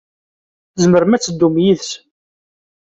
Tzemrem ad teddum yid-sen.